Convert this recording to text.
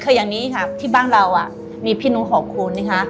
คืออย่างนี้ค่ะที่บ้านเรามีพี่น้องขอบคุณนะคะ